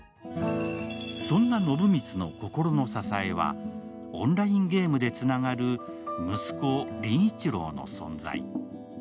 そんな暢光の心の支えはオンラインゲームでつながる息子・凛一郎の存在。